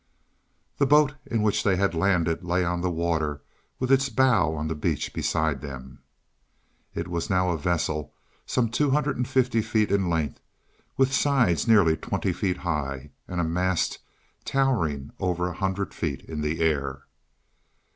The boat in which they had landed lay on the water with its bow on the beach beside them. It was now a vessel some two hundred and fifty feet in length, with sides twenty feet high and a mast towering over a hundred feet in the air.